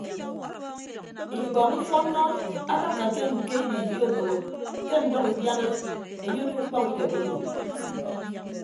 Ikpọọñ ifọnnọ adakka ke ñke ibibio obogho ke ndʌñ ndiana enye odo ukpọñ idem owo.